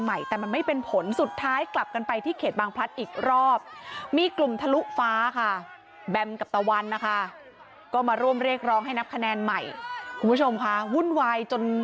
ไหนอีกอยู่ไหนอีกอยู่ไหนอีกอยู่ไหนอีกอยู่ไหนอีกอยู่ไหนอีกอยู่ไหนอีกอยู่ไหนอีกอยู่ไหนอีกอยู่ไหนอีกอยู่ไหน